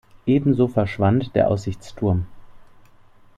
Ebenso verschwand der Aussichtsturm.